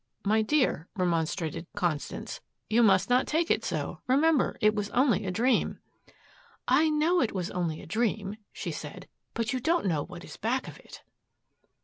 "My dear," remonstrated Constance, "you must not take it so. Remember it was only a dream. "I know it was only a dream," she said, "but you don't know what is back of it."